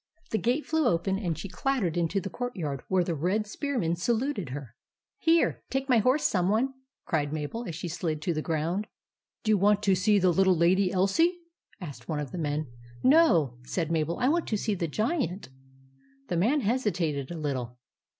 The gate flew open, and she clattered into the courtyard where the red spearmen saluted her. " Here, take my horse, some one !" cried Mabel, as she slid to the ground. " Do you want to see the little Lady Elsie ?" asked one of the men. " No," said Mabel ;" I want to see the Giant." The man hesitated a little.